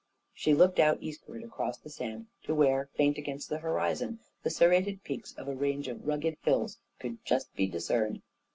She looked out eastward across the sand to where, faint against the horizon, the serrated peaks of a range of rugged hills could just be discerned.